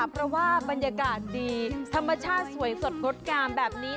เพราะว่าบรรยากาศดีธรรมชาติสวยสดงดงามแบบนี้